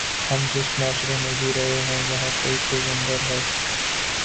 ہم جس معاشرے میں جی رہے ہیں، یہاں کوئی پیغمبر ہے۔